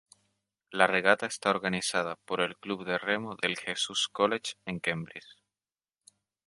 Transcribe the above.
La regata está organizada por el club de remo del Jesus College en Cambridge.